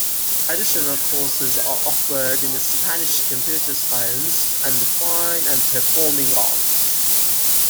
Additional courses are offered in Spanish, Computer Science, and the Fine and Performing arts.